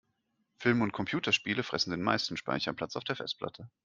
Filme und Computerspiele fressen den meisten Speicherplatz auf der Festplatte.